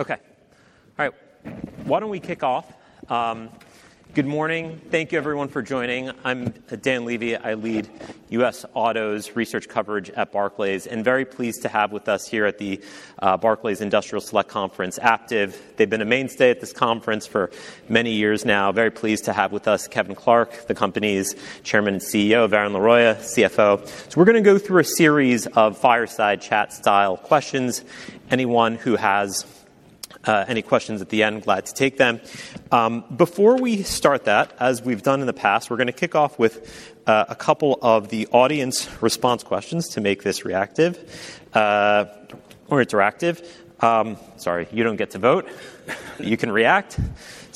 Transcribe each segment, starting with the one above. Okay. All right, why don't we kick off? Good morning. Thank you everyone for joining. I'm Dan Levy. I lead U.S. Autos Research Coverage at Barclays, and very pleased to have with us here at the Barclays Industrial Select Conference, Aptiv. They've been a mainstay at this conference for many years now. Very pleased to have with us, Kevin Clark, the company's Chairman and CEO, Varun Laroyia, CFO. So we're gonna go through a series of fireside chat style questions. Anyone who has any questions at the end, glad to take them. Before we start that, as we've done in the past, we're gonna kick off with a couple of the audience response questions to make this reactive or interactive. Sorry, you don't get to vote. You can react.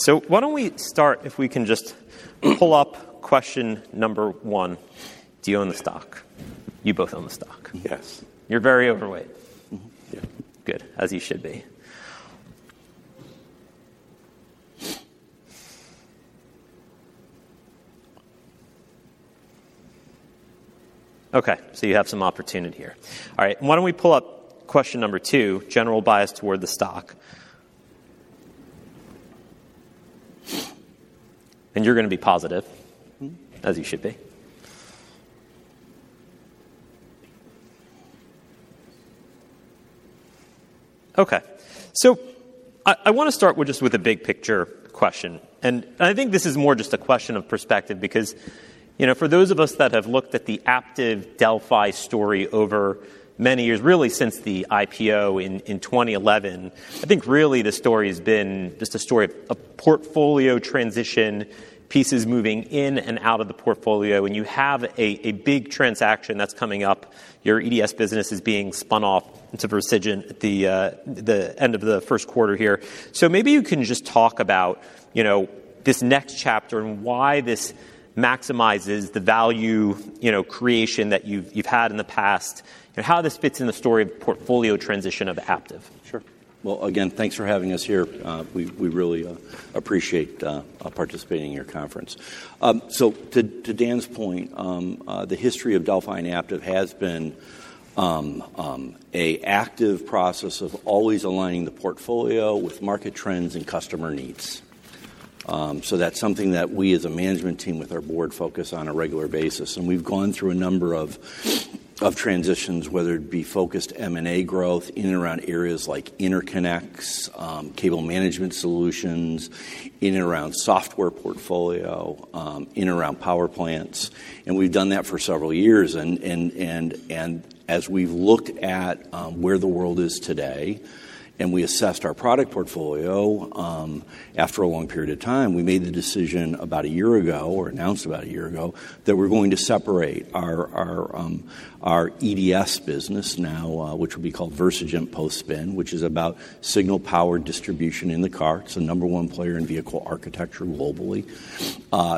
Why don't we start, if we can just pull up question number one: Do you own the stock? You both own the stock. Yes. You're very overweight. Mm-hmm. Yeah. Good, as you should be. Okay, so you have some opportunity here. All right, why don't we pull up question number two, general bias toward the stock. And you're gonna be positive- Mm-hmm. As you should be. Okay. So I wanna start with just with a big picture question, and I think this is more just a question of perspective, because, you know, for those of us that have looked at the Aptiv Delphi story over many years, really since the IPO in 2011, I think really the story has been just a story of a portfolio transition, pieces moving in and out of the portfolio. And you have a big transaction that's coming up. Your EDS business is being spun off into Versigent at the end of the first quarter here. So maybe you can just talk about, you know, this next chapter and why this maximizes the value, you know, creation that you've had in the past, and how this fits in the story of portfolio transition of Aptiv. Sure. Well, again, thanks for having us here. We really appreciate participating in your conference. So to Dan's point, the history of Delphi and Aptiv has been a active process of always aligning the portfolio with market trends and customer needs. So that's something that we, as a management team, with our board, focus on a regular basis. And we've gone through a number of transitions, whether it be focused M&A growth in and around areas like interconnects, cable management solutions, in and around software portfolio, in and around power plants, and we've done that for several years. As we've looked at where the world is today, and we assessed our product portfolio, after a long period of time, we made the decision about a year ago, or announced about a year ago, that we're going to separate our EDS business now, which will be called Versigent post-spin, which is about signal power distribution in the car. It's the number one player in vehicle architecture globally.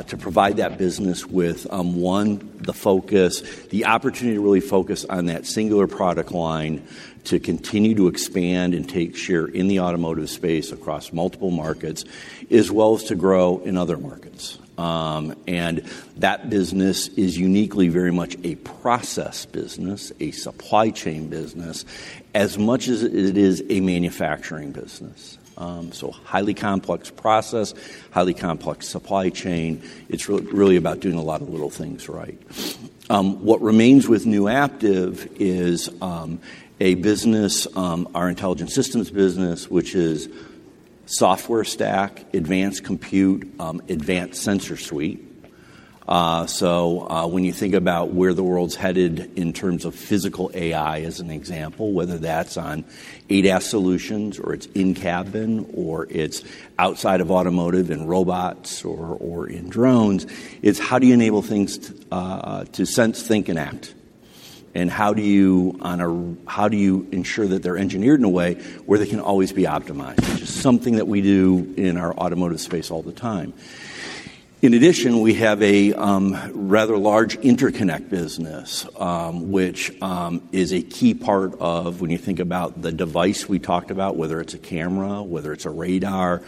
To provide that business with the focus, the opportunity to really focus on that singular product line, to continue to expand and take share in the automotive space across multiple markets, as well as to grow in other markets. And that business is uniquely very much a process business, a supply chain business, as much as it is a manufacturing business. So highly complex process, highly complex supply chain. It's really about doing a lot of little things right. What remains with new Aptiv is a business, our intelligent systems business, which is software stack, advanced compute, advanced sensor suite. So, when you think about where the world's headed in terms of physical AI, as an example, whether that's on ADAS solutions, or it's in-cabin, or it's outside of automotive and robots or in drones, it's how do you enable things to sense, think, and act? And how do you ensure that they're engineered in a way where they can always be optimized? Which is something that we do in our automotive space all the time. In addition, we have a rather large interconnect business, which is a key part of when you think about the device we talked about, whether it's a camera, whether it's a radar,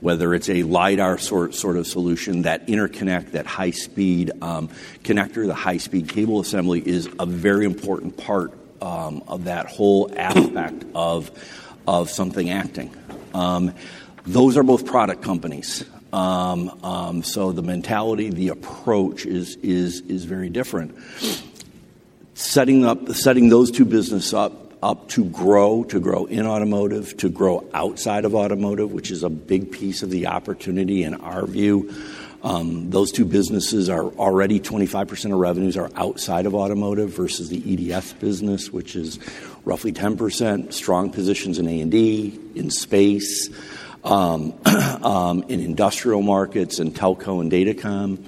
whether it's a lidar sort of solution, that interconnect, that high speed connector, the high speed cable assembly, is a very important part of that whole aspect of something acting. Those are both product companies. So the mentality, the approach is very different. Setting those two businesses up to grow in automotive, to grow outside of automotive, which is a big piece of the opportunity in our view, those two businesses are already 25% of revenues are outside of automotive versus the EDS business, which is roughly 10%, strong positions in A&D, in space, in industrial markets, in telco and datacom.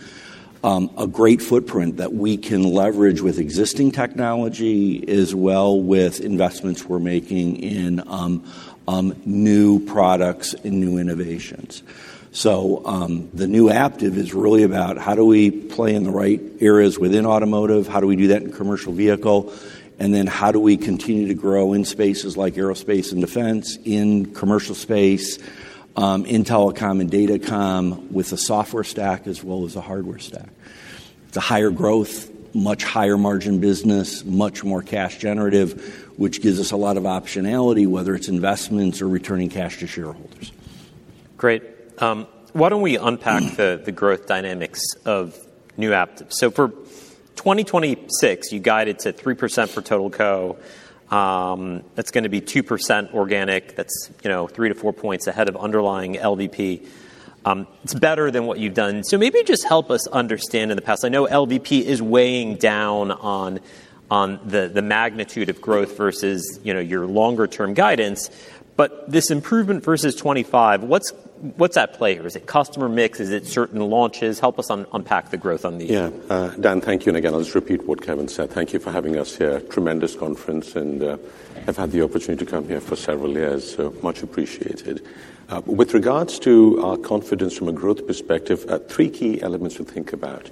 A great footprint that we can leverage with existing technology, as well with investments we're making in new products and new innovations. So, the new Aptiv is really about how do we play in the right areas within automotive? How do we do that in commercial vehicle? And then how do we continue to grow in spaces like aerospace and defense, in commercial space, in telecom and datacom with a software stack as well as a hardware stack? It's a higher growth, much higher margin business, much more cash generative, which gives us a lot of optionality, whether it's investments or returning cash to shareholders. Great. Why don't we unpack the growth dynamics of new Aptiv? So for 2026, you guided to 3% for total company. That's gonna be 2% organic, that's, you know, three-four points ahead of underlying LVP. It's better than what you've done. So maybe just help us understand in the past, I know LVP is weighing down on the magnitude of growth versus, you know, your longer-term guidance, but this improvement versus 2025, what's at play? Is it customer mix? Is it certain launches? Help us unpack the growth on these. Yeah. Dan, thank you. And again, I'll just repeat what Kevin said. Thank you for having us here. Tremendous conference, and, I've had the opportunity to come here for several years, so much appreciated. With regards to our confidence from a growth perspective, three key elements to think about.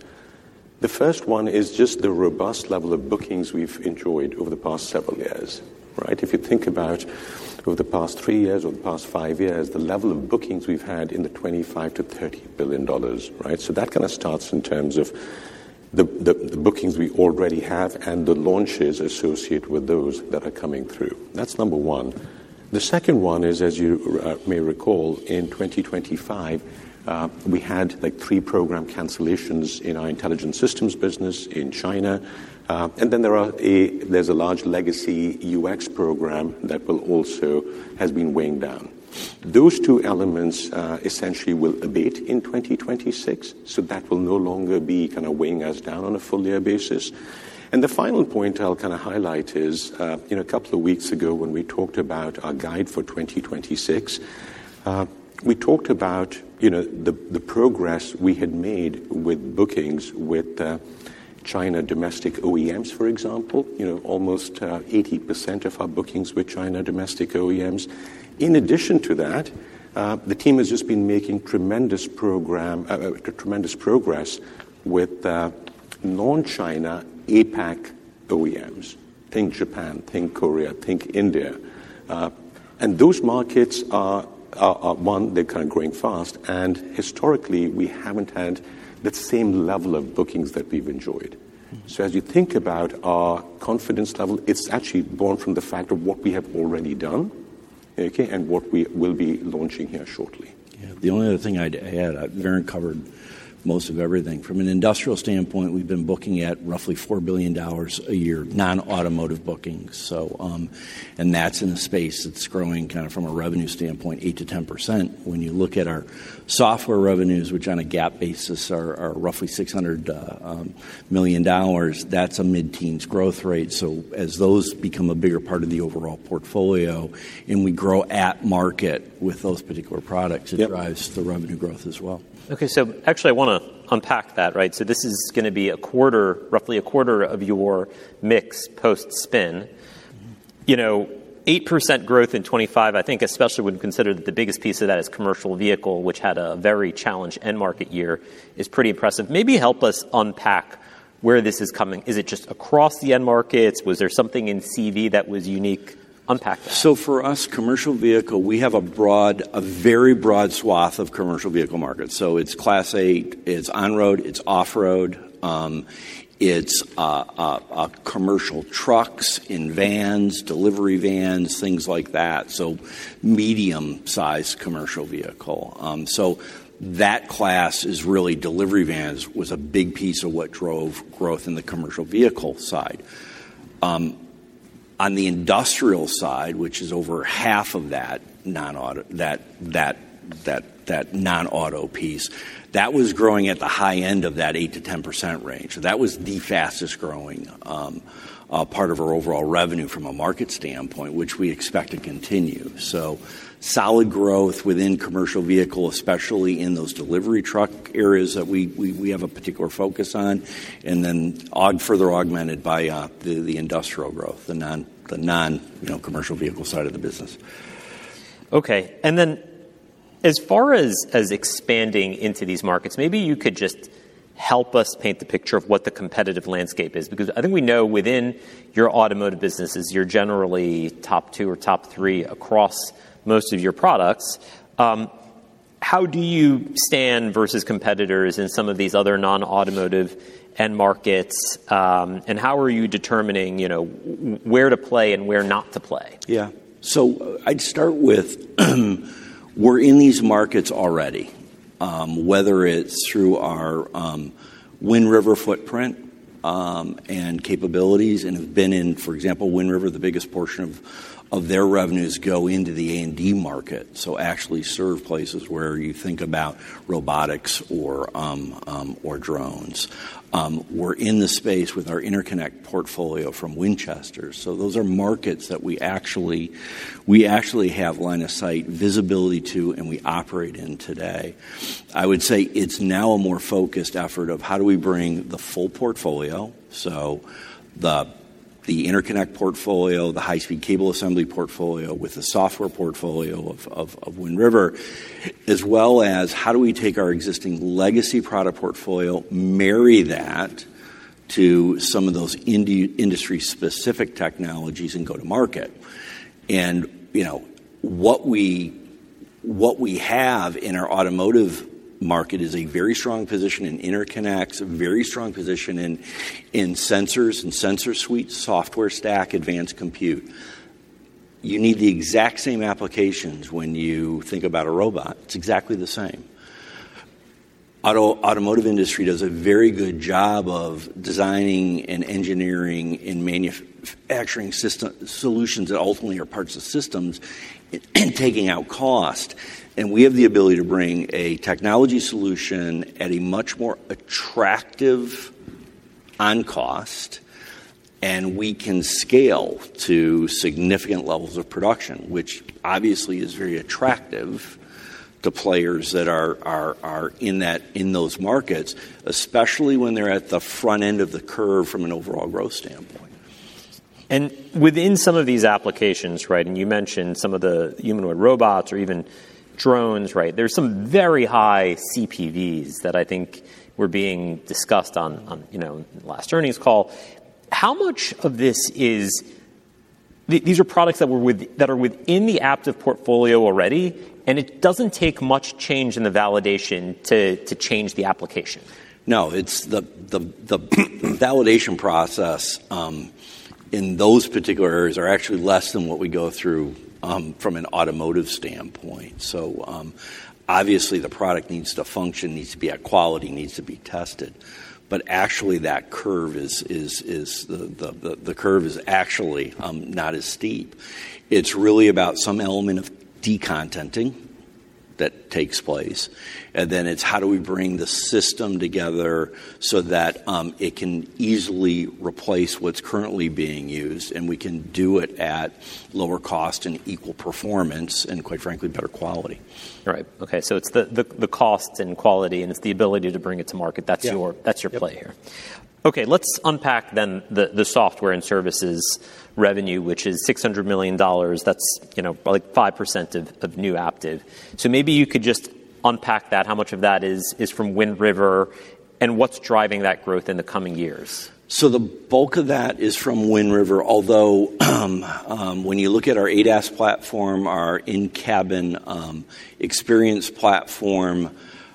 The first one is just the robust level of bookings we've enjoyed over the past several years, right? If you think about over the past three years or the past five years, the level of bookings we've had in the $25 billion-$30 billion, right? So that kind of starts in terms of the bookings we already have and the launches associated with those that are coming through. That's number one. The second one is, as you may recall, in 2025, we had, like, three program cancellations in our intelligent systems business in China, and then there's a large legacy UX program that will also... has been weighing down. Those two elements essentially will abate in 2026, so that will no longer be kinda weighing us down on a full year basis. And the final point I'll kind of highlight is, you know, a couple of weeks ago, when we talked about our guide for 2026, we talked about, you know, the progress we had made with bookings with China domestic OEMs, for example, you know, almost 80% of our bookings were China domestic OEMs. In addition to that, the team has just been making tremendous progress with non-China APAC OEMs. Think Japan, think Korea, think India. Those markets are, one, they're kind of growing fast, and historically, we haven't had that same level of bookings that we've enjoyed. Mm. So as you think about our confidence level, it's actually born from the fact of what we have already done, okay, and what we will be launching here shortly. Yeah. The only other thing I'd add, Varun covered most of everything. From an industrial standpoint, we've been booking at roughly $4 billion a year, non-automotive bookings. So, and that's in a space that's growing kind of from a revenue standpoint, 8%-10%. When you look at our software revenues, which on a GAAP basis are, are roughly $600 million, that's a mid-teens growth rate. So as those become a bigger part of the overall portfolio and we grow at market with those particular products- Yep... it drives the revenue growth as well. Okay, so actually I wanna unpack that, right? So this is gonna be a quarter, roughly a quarter of your mix post-spin. Mm-hmm. You know, 8% growth in 25, I think especially when you consider that the biggest piece of that is commercial vehicle, which had a very challenged end-market year, is pretty impressive. Maybe help us unpack where this is coming. Is it just across the end markets? Was there something in CV that was unique? Unpack that. So for us, commercial vehicle, we have a broad, a very broad swath of commercial vehicle markets. So it's Class 8, it's on-road, it's off-road, it's commercial trucks, in vans, delivery vans, things like that, so medium-sized commercial vehicle. So that class is really delivery vans, was a big piece of what drove growth in the commercial vehicle side. On the industrial side, which is over half of that non-auto, that non-auto piece, that was growing at the high end of that 8%-10% range. So that was the fastest-growing part of our overall revenue from a market standpoint, which we expect to continue. So solid growth within commercial vehicle, especially in those delivery truck areas that we have a particular focus on, and then further augmented by the industrial growth, the non-commercial vehicle side of the business. Okay. And then as far as expanding into these markets, maybe you could just help us paint the picture of what the competitive landscape is, because I think we know within your automotive businesses, you're generally top two or top three across most of your products. How do you stand versus competitors in some of these other non-automotive end markets, and how are you determining, you know, where to play and where not to play? Yeah. So I'd start with, we're in these markets already, whether it's through our Wind River footprint and capabilities, and have been in, for example, Wind River, the biggest portion of their revenues go into the A&D market. So actually serve places where you think about robotics or or drones. We're in the space with our interconnect portfolio from Winchester. So those are markets that we actually, we actually have line of sight, visibility to, and we operate in today. I would say it's now a more focused effort of how do we bring the full portfolio, so the interconnect portfolio, the high-speed cable assembly portfolio with the software portfolio of Wind River, as well as how do we take our existing legacy product portfolio, marry that to some of those industry-specific technologies and go to market. You know, what we, what we have in our automotive market is a very strong position in interconnects, a very strong position in sensors and sensor suites, software stack, advanced compute. You need the exact same applications when you think about a robot. It's exactly the same. Automotive industry does a very good job of designing and engineering and manufacturing solutions that ultimately are parts of systems, taking out cost. And we have the ability to bring a technology solution at a much more attractive on cost, and we can scale to significant levels of production, which obviously is very attractive to players that are in that, in those markets, especially when they're at the front end of the curve from an overall growth standpoint. Within some of these applications, right, and you mentioned some of the humanoid robots or even drones, right? There's some very high CPVs that I think were being discussed on, you know, last earnings call. How much of this is... These are products that were with- that are within the Aptiv portfolio already, and it doesn't take much change in the validation to change the application. No, it's the validation process in those particular areas are actually less than what we go through from an automotive standpoint. So, obviously, the product needs to function, needs to be at quality, needs to be tested. But actually, that curve is actually not as steep. It's really about some element of de-contenting that takes place, and then it's how do we bring the system together so that it can easily replace what's currently being used, and we can do it at lower cost and equal performance and, quite frankly, better quality. Right. Okay, so it's the cost and quality, and it's the ability to bring it to market- Yeah. -that's your play here. Yep. Okay, let's unpack then the software and services revenue, which is $600 million. That's, you know, like 5% of new Aptiv. So maybe you could just unpack that, how much of that is from Wind River, and what's driving that growth in the coming years? So the bulk of that is from Wind River, although, when you look at our ADAS platform, our in-cabin experience platform,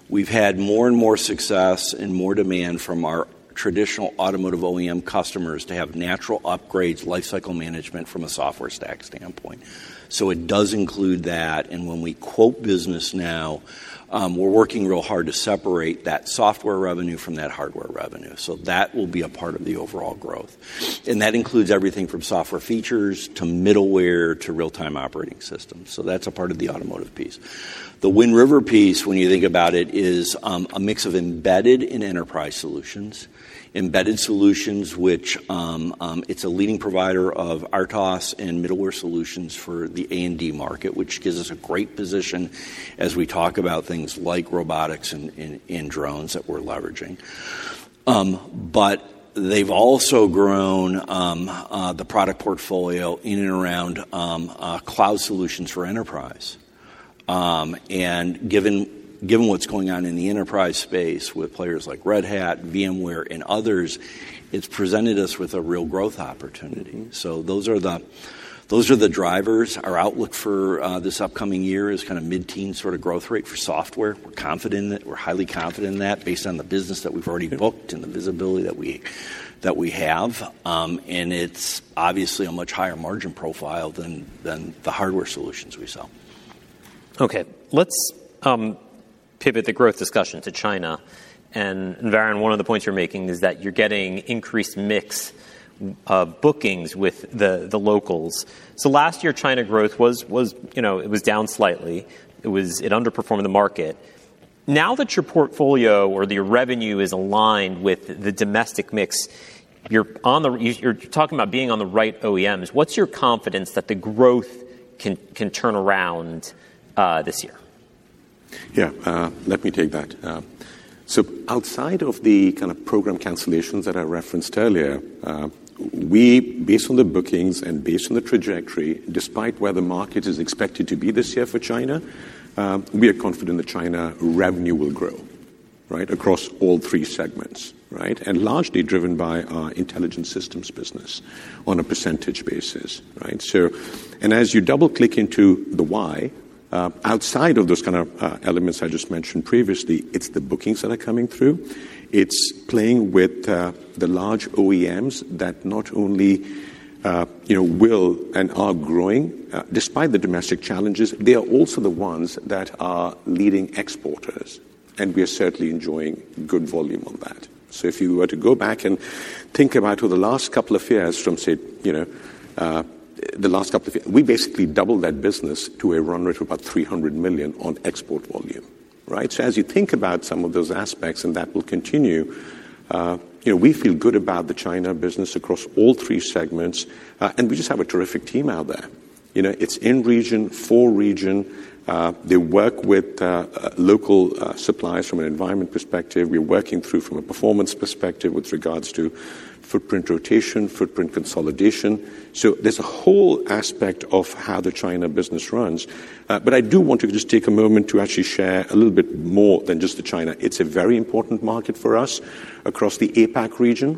we've had more and more success and more demand from our traditional automotive OEM customers to have natural upgrades, lifecycle management from a software stack standpoint. So it does include that, and when we quote business now, we're working real hard to separate that software revenue from that hardware revenue. So that will be a part of the overall growth. And that includes everything from software features, to middleware, to real-time operating systems. So that's a part of the automotive piece. The Wind River piece, when you think about it, is a mix of embedded and enterprise solutions. Embedded solutions, which it's a leading provider of RTOS and middleware solutions for the A&D market, which gives us a great position as we talk about things like robotics and drones that we're leveraging. But they've also grown the product portfolio in and around cloud solutions for enterprise. And given what's going on in the enterprise space with players like Red Hat, VMware, and others, it's presented us with a real growth opportunity. Mm-hmm. So those are the, those are the drivers. Our outlook for this upcoming year is kinda mid-teen sorta growth rate for software. We're confident in that. We're highly confident in that, based on the business that we've already booked and the visibility that we, that we have. And it's obviously a much higher margin profile than the hardware solutions we sell. Okay, let's pivot the growth discussion to China. And Varun, one of the points you're making is that you're getting increased mix bookings with the locals. So last year, China growth was, you know, it was down slightly. It underperformed the market. Now that your portfolio or your revenue is aligned with the domestic mix, you're on the, you're talking about being on the right OEMs. What's your confidence that the growth can turn around this year? Yeah, let me take that. So outside of the kind of program cancellations that I referenced earlier, we, based on the bookings and based on the trajectory, despite where the market is expected to be this year for China, we are confident that China revenue will grow, right, across all three segments, right? And largely driven by our intelligent systems business on a percentage basis, right? So, and as you double-click into the why, outside of those kind of elements I just mentioned previously, it's the bookings that are coming through. It's playing with the large OEMs that not only, you know, will and are growing, despite the domestic challenges, they are also the ones that are leading exporters, and we are certainly enjoying good volume on that. So if you were to go back and think about over the last couple of years from, say, you know, the last couple of years, we basically doubled that business to a run rate of about $300 million on export volume, right? So as you think about some of those aspects, and that will continue, you know, we feel good about the China business across all three segments, and we just have a terrific team out there. You know, it's in region, for region. They work with local suppliers from an environment perspective. We're working through from a performance perspective with regards to footprint rotation, footprint consolidation. So there's a whole aspect of how the China business runs. But I do want to just take a moment to actually share a little bit more than just the China. It's a very important market for us across the APAC region,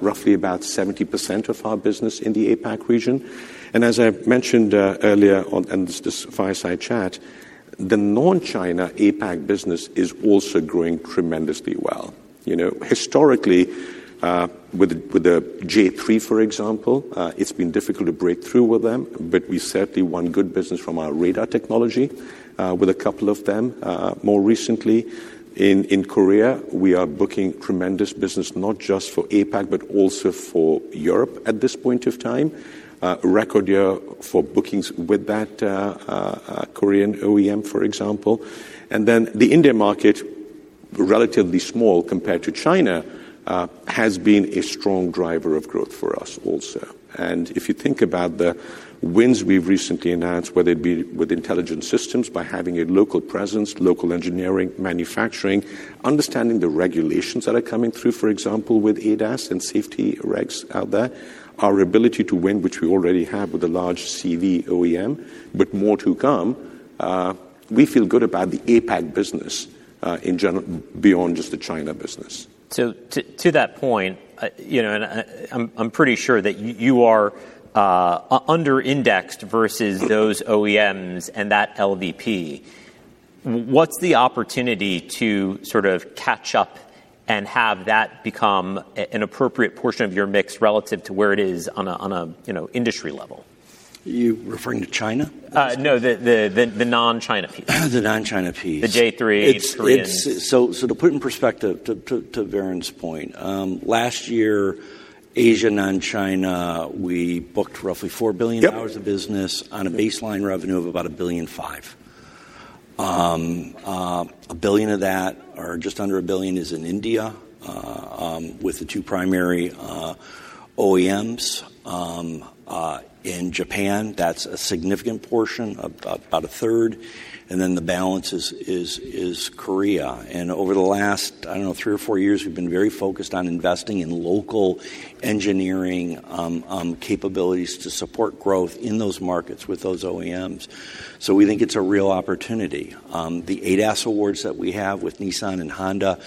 roughly about 70% of our business in the APAC region. And as I mentioned earlier on, in this fireside chat, the non-China APAC business is also growing tremendously well. You know, historically, with the J3, for example, it's been difficult to break through with them, but we certainly won good business from our radar technology with a couple of them. More recently, in Korea, we are booking tremendous business, not just for APAC, but also for Europe at this point of time. Record year for bookings with that Korean OEM, for example. And then the India market, relatively small compared to China, has been a strong driver of growth for us also. If you think about the wins we've recently announced, whether it be with intelligent systems, by having a local presence, local engineering, manufacturing, understanding the regulations that are coming through, for example, with ADAS and safety regs out there, our ability to win, which we already have with a large CV OEM, but more to come, we feel good about the APAC business, in general beyond just the China business. So to that point, you know, and I'm pretty sure that you are under-indexed versus those OEMs and that LVP. What's the opportunity to sort of catch up and have that become an appropriate portion of your mix relative to where it is on a, you know, industry level? You referring to China? No, the non-China piece. The non-China piece. The J3, Korean. So to put in perspective, to Varun's point, last year, Asia, non-China, we booked roughly $4 billion- Yep... dollars of business on a baseline revenue of about $1.5 billion. A billion of that, or just under $1 billion, is in India, with the two primary OEMs. In Japan, that's a significant portion, about a third, and then the balance is Korea. Over the last, I don't know, three or four years, we've been very focused on investing in local engineering capabilities to support growth in those markets with those OEMs. So we think it's a real opportunity. The ADAS awards that we have with Nissan and Honda,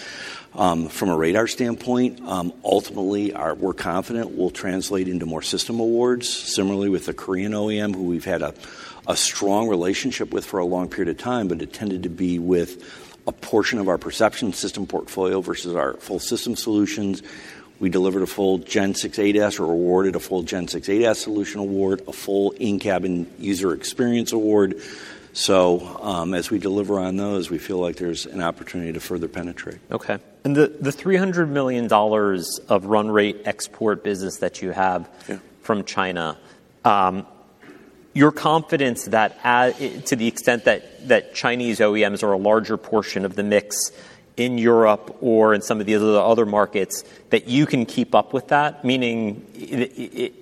from a radar standpoint, ultimately, are - we're confident will translate into more system awards. Similarly, with the Korean OEM, who we've had a strong relationship with for a long period of time, but it tended to be with a portion of our perception system portfolio versus our full system solutions. We delivered a full Gen 6 ADAS or awarded a full Gen 6 ADAS solution award, a full in-cabin user experience award. So, as we deliver on those, we feel like there's an opportunity to further penetrate. Okay. And the $300 million of run rate export business that you have- Yeah... from China, your confidence that to the extent that, that Chinese OEMs are a larger portion of the mix in Europe or in some of the other markets, that you can keep up with that, meaning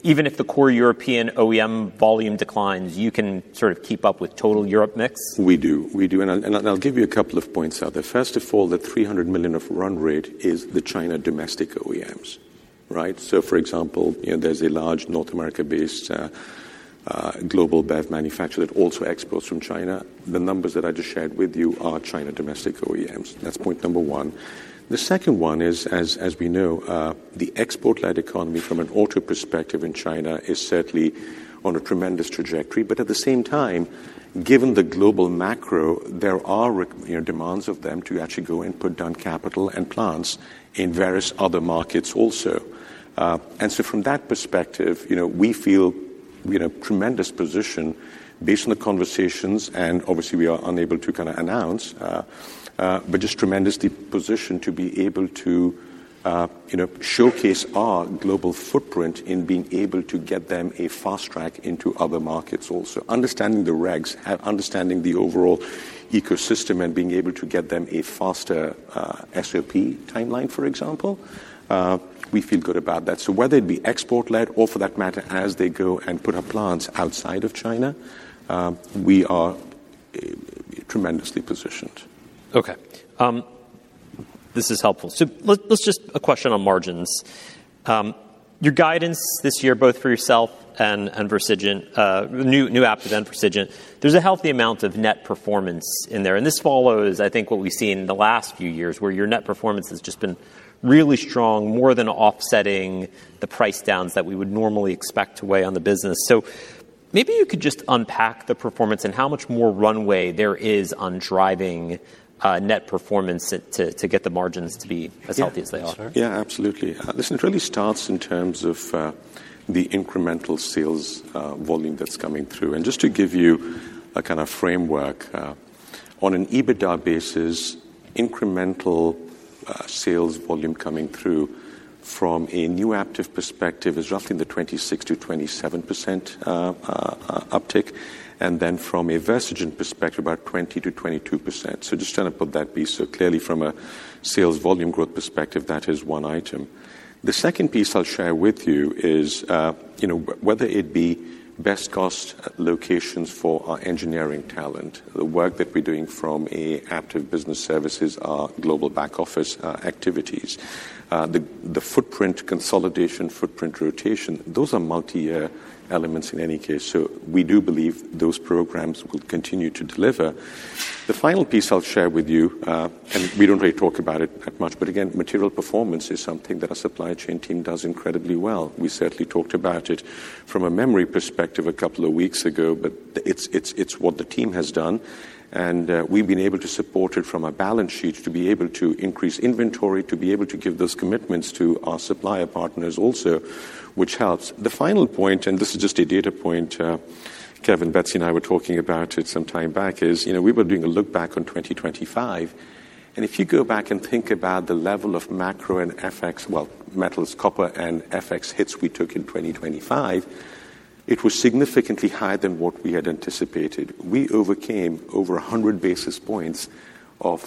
even if the core European OEM volume declines, you can sort of keep up with total Europe mix? We do. We do, and I'll give you a couple of points out there. First of all, the $300 million of run rate is the China domestic OEMs, right? So, for example, you know, there's a large North America-based global BEV manufacturer that also exports from China. The numbers that I just shared with you are China domestic OEMs. That's point number one. The second one is, as we know, the export-led economy from an auto perspective in China is certainly on a tremendous trajectory, but at the same time, given the global macro, there are, you know, demands of them to actually go and put down capital and plants in various other markets also. And so from that perspective, you know, we feel, we're in a tremendous position based on the conversations, and obviously, we are unable to kind of announce, but just tremendously positioned to be able to, you know, showcase our global footprint in being able to get them a fast track into other markets also, understanding the regs, and understanding the overall ecosystem, and being able to get them a faster, SOP timeline, for example. We feel good about that. So whether it be export-led or, for that matter, as they go and put up plants outside of China, we are tremendously positioned. Okay. This is helpful. So let, let's just a question on margins. Your guidance this year, both for yourself and Versigent, new Aptiv and Versigent, there's a healthy amount of net performance in there, and this follows, I think, what we've seen in the last few years, where your net performance has just been really strong, more than offsetting the price downs that we would normally expect to weigh on the business. So maybe you could just unpack the performance and how much more runway there is on driving net performance to get the margins to be- Yeah... as healthy as they are. Sure. Yeah, absolutely. Listen, it really starts in terms of the incremental sales volume that's coming through. And just to give you a kind of framework, on an EBITDA basis, incremental sales volume coming through from a New Aptiv perspective is roughly in the 26%-27% uptick, and then from a Versigent perspective, about 20%-22%. So just kind of put that piece. So clearly, from a sales volume growth perspective, that is one item. The second piece I'll share with you is, you know, whether it be best cost locations for our engineering talent, the work that we're doing from Aptiv Business Services, our global back office activities. The footprint consolidation, footprint rotation, those are multi-year elements in any case. So we do believe those programs will continue to deliver. The final piece I'll share with you, and we don't really talk about it that much, but again, material performance is something that our supply chain team does incredibly well. We certainly talked about it from a memory perspective a couple of weeks ago, but it's what the team has done, and we've been able to support it from a balance sheet to be able to increase inventory, to be able to give those commitments to our supplier partners also, which helps. The final point, and this is just a data point, Kevin, Betsy, and I were talking about it some time back, is, you know, we were doing a look back on 2025, and if you go back and think about the level of macro and FX, well, metals, copper and FX hits we took in 2025, it was significantly higher than what we had anticipated. We overcame over 100 basis points of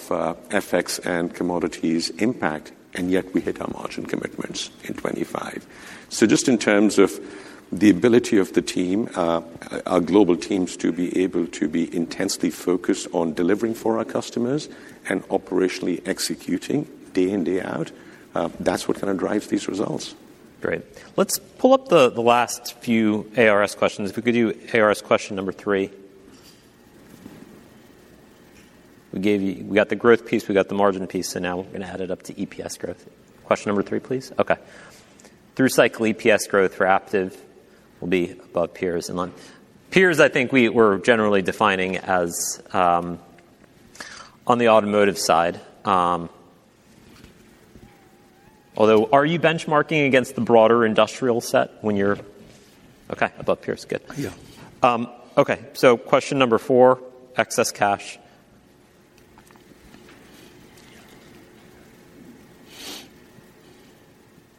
FX and commodities impact, and yet we hit our margin commitments in 2025. So just in terms of the ability of the team, our global teams, to be able to be intensely focused on delivering for our customers and operationally executing day in, day out, that's what kind of drives these results. Great. Let's pull up the last few ARS questions. If we could do ARS question number three. We gave you... We got the growth piece, we got the margin piece, so now we're gonna add it up to EPS growth. Question number three, please. Okay. Through cycle EPS growth for Aptiv will be above peers and more. Peers, I think we were generally defining as, on the automotive side, although are you benchmarking against the broader industrial set when you're, okay, above peers, good. Yeah. Okay, so question number four, excess cash.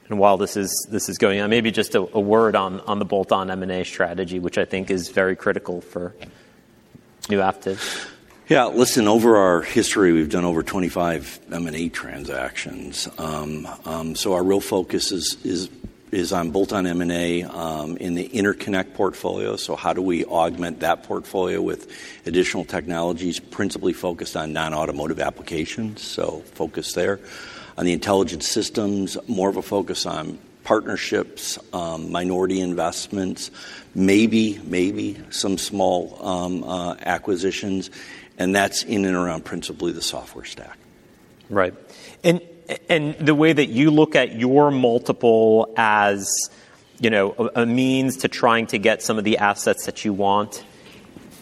And while this is going on, maybe just a word on the bolt-on M&A strategy, which I think is very critical for New Aptiv. Yeah, listen, over our history, we've done over 25 M&A transactions. So our real focus is on bolt-on M&A in the interconnect portfolio. So how do we augment that portfolio with additional technologies, principally focused on non-automotive applications? So focus there. On the intelligent systems, more of a focus on partnerships, minority investments, maybe some small acquisitions, and that's in and around principally the software stack. Right. And the way that you look at your multiple as, you know, a means to trying to get some of the assets that you want,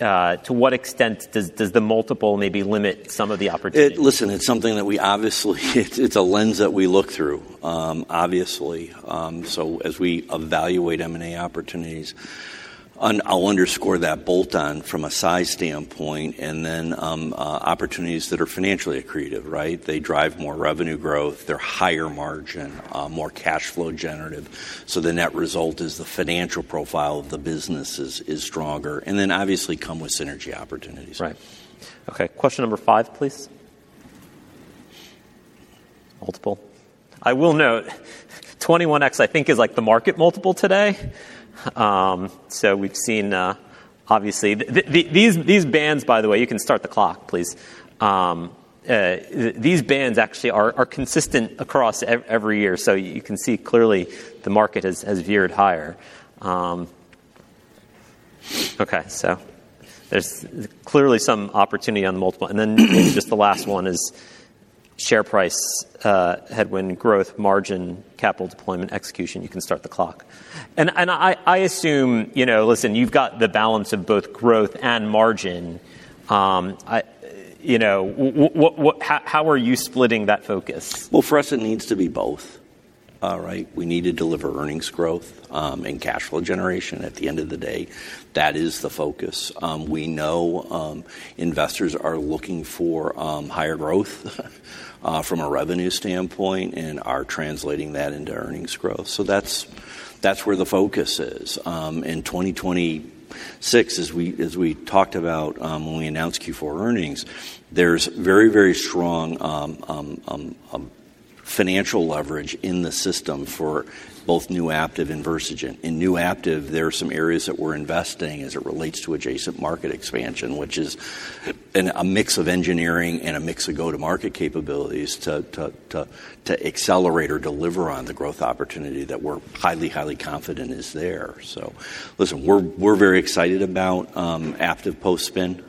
to what extent does the multiple maybe limit some of the opportunities? It's something that we obviously—it's a lens that we look through, obviously, so as we evaluate M&A opportunities. I'll underscore that bolt-on from a size standpoint, and then opportunities that are financially accretive, right? They drive more revenue growth, they're higher margin, more cash flow generative, so the net result is the financial profile of the business is stronger, and then obviously come with synergy opportunities. Right. Okay, question number five, please. Multiple. I will note, 21x, I think, is like the market multiple today. So we've seen, obviously... The these bands, by the way, you can start the clock, please. These bands actually are consistent across every year, so you can see clearly the market has veered higher. Okay, so there's clearly some opportunity on the multiple. And then just the last one is share price, headwind growth, margin, capital deployment, execution. You can start the clock. And I assume, you know, listen, you've got the balance of both growth and margin. I, you know, what, how are you splitting that focus? Well, for us, it needs to be both. Right? We need to deliver earnings growth and cash flow generation. At the end of the day, that is the focus. We know investors are looking for higher growth from a revenue standpoint and are translating that into earnings growth. So that's where the focus is. In 2026, as we talked about, when we announced Q4 earnings, there's very, very strong financial leverage in the system for both New Aptiv and Versigent. In New Aptiv, there are some areas that we're investing as it relates to adjacent market expansion, which is a mix of engineering and a mix of go-to-market capabilities to accelerate or deliver on the growth opportunity that we're highly, highly confident is there. So listen, we're, we're very excited about Aptiv post-spin.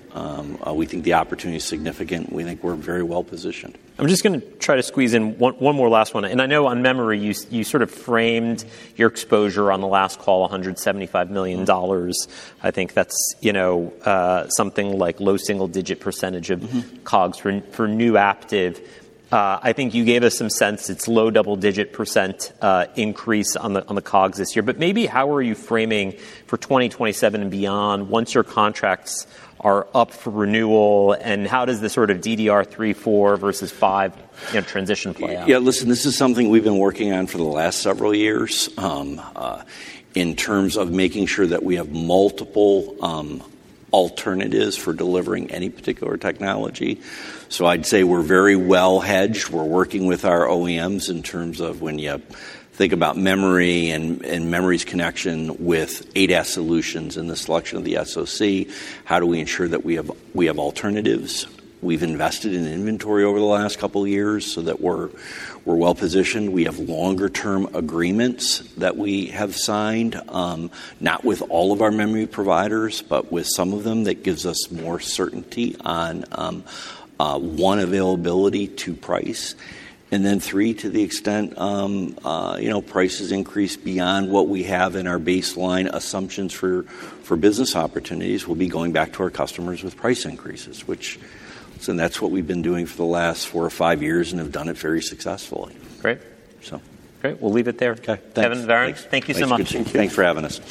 We think the opportunity is significant. We think we're very well positioned. I'm just gonna try to squeeze in one more last one, and I know on memory, you sort of framed your exposure on the last call, $175 million. Mm-hmm. I think that's, you know, something like low single-digit % of- Mm-hmm... COGS for New Aptiv. I think you gave us some sense it's low double-digit % increase on the COGS this year. But maybe how are you framing for 2027 and beyond once your contracts are up for renewal, and how does this sort of DDR3, DDR4 versus DDR5, you know, transition play out? Yeah, listen, this is something we've been working on for the last several years in terms of making sure that we have multiple alternatives for delivering any particular technology. So I'd say we're very well hedged. We're working with our OEMs in terms of when you think about memory and memory's connection with ADAS solutions and the selection of the SoC, how do we ensure that we have alternatives? We've invested in inventory over the last couple of years so that we're well positioned. We have longer-term agreements that we have signed, not with all of our memory providers, but with some of them, that gives us more certainty on one, availability, two, price, and then three, to the extent, you know, prices increase beyond what we have in our baseline assumptions for business opportunities, we'll be going back to our customers with price increases, which. So that's what we've been doing for the last four or five years and have done it very successfully. Great. So. Great, we'll leave it there. Okay, thanks. Kevin, Varun, thank you so much. Nice to see you. Thanks for having us.